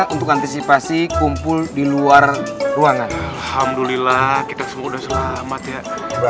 untuk antisipasi kumpul di luar ruangan alhamdulillah kita semua udah selamat ya